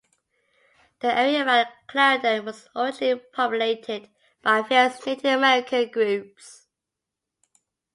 The area around Clarendon was originally populated by various Native American groups.